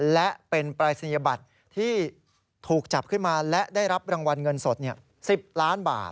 และเป็นปรายศนียบัตรที่ถูกจับขึ้นมาและได้รับรางวัลเงินสด๑๐ล้านบาท